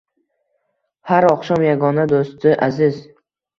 Har oqshom yagona do’sti aziz